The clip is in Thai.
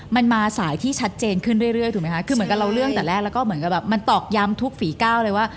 มันมาสายที่ชัดเจนขึ้นเรื่อยถูกไหมคะคือเหมือนกับเราเรื่องแต่แรกแล้วก็เหมือนกับแบบมันตอกย้ำทุกฝีก้าวเลยว่า